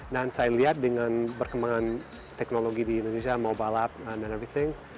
dan saya lihat dengan perkembangan teknologi di indonesia mobile app dan everything